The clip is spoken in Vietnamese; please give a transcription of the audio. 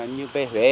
như về huế